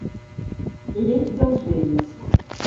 Llet dels vells.